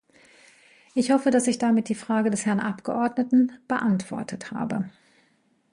Ich hoffe, dass ich damit die Frage des Herrn Abgeordneten beantwortet habe.